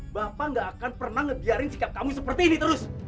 bapak gak akan pernah ngebiarin sikap kamu seperti ini terus